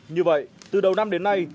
như vậy từ đầu năm đến nay